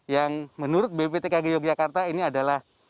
yang menurut bpptkg yogyakarta ini adalah